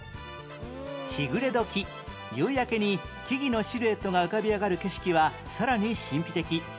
日暮れ時夕焼けに木々のシルエットが浮かび上がる景色はさらに神秘的